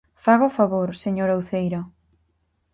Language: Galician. ¡Faga o favor, señora Uceira!